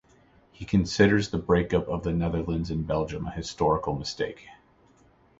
He considers the break-up of the Netherlands and Belgium a historical mistake.